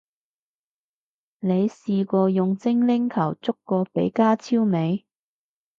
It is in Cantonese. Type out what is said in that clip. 你試過用精靈球捉過比加超未？